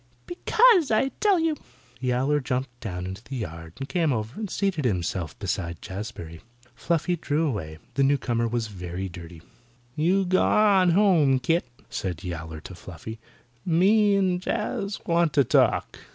"Because, I tell you." Yowler jumped down into the yard and came over and seated himself beside Jazbury. Fluffy drew away. The newcomer was very dirty. "You gwan home, kit," said Yowler to Fluffy. "Me and Jaz want to talk."